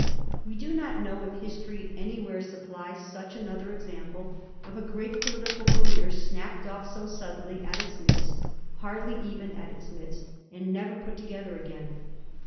We do not know if history anywhere supplies such another example of a great political career snapped off so suddenly at its midst, hardly even at its midst, and never put together again.